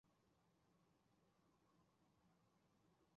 毛果巴豆为大戟科巴豆属下的一个种。